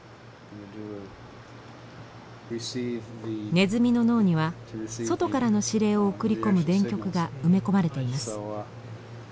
ネズミの脳には外からの指令を送り込む電極が埋め込まれています。